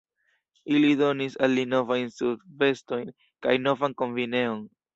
Ili donis al li novajn subvestojn kaj novan kombineon.